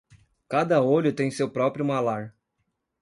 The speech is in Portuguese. Cada olho tem seu próprio malar.